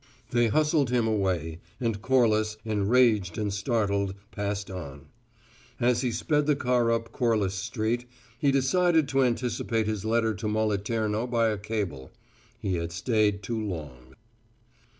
They hustled him away, and Corliss, enraged and startled, passed on. As he sped the car up Corliss Street, he decided to anticipate his letter to Moliterno by a cable. He had stayed too long.